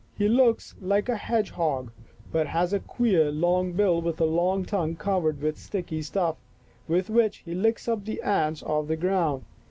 He looks like a hedgehog but has a queer, long bill with a long tongue covered with sticky stuff with which he licks up the ants off the ground.